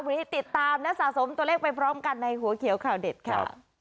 วันนี้ติดตามและสะสมตัวเลขไปพร้อมกันในหัวเขียวข่าวเด็ดค่ะ